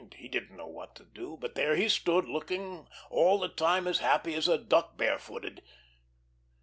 He didn't know what to do, but there he stood, looking all the time as happy as a duck barefooted."